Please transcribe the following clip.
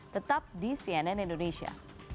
tetap di cnn indonesia